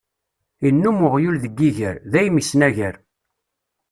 Innum uɣyul deg yiger, dayem isnagar.